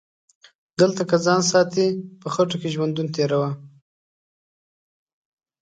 دلته که ځان ساتي په خټو کې ژوندون تیروه